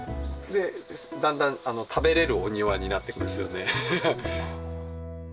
だんだん食べれるお庭になっていくんですよね。